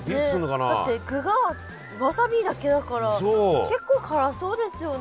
だって具がわさびだけだから結構辛そうですよね。